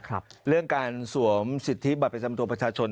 เรื่องการสวมสิทธิบัตรประจำตัวประชาชน